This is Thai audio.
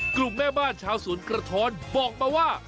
กลุ่มแม่บ้านชาวสวนกระท้อนบอกมาว่า